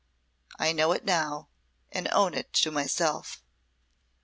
I know it now, and own it to myself."